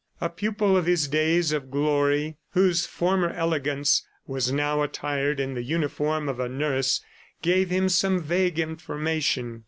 A pupil of his days of glory, whose former elegance was now attired in the uniform of a nurse, gave him some vague information.